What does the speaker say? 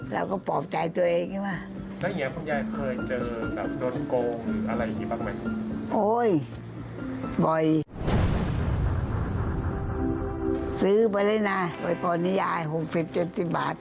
เราก็ฝ่าใจตัวเองนะ